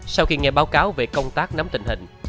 sau khi nghe báo cáo về công tác nắm tình hình